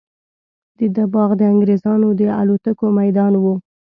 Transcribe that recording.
د ده باغ د انګریزانو د الوتکو میدان وو.